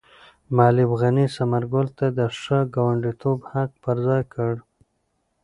معلم غني ثمر ګل ته د ښه ګاونډیتوب حق په ځای کړ.